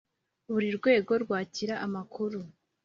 buri rwego rwakira amakuru